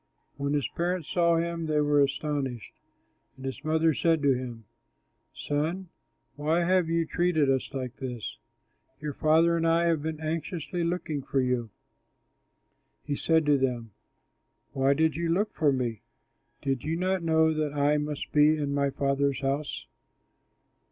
When his parents saw him, they were astonished; and his mother said to him, "Son, why have you treated us like this? Your father and I have been anxiously looking for you." He said to them, "Why did you look for me? Did you not know that I must be in my Father's house?"